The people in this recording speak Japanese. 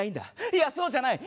いやそうじゃない。